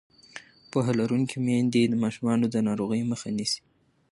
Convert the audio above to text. پوهه لرونکې میندې د ماشومانو د ناروغۍ مخه نیسي.